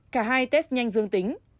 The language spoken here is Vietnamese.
cả hai test nhanh dương tính